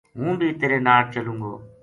ہوں بی تیرے ناڑ چلوں گو‘‘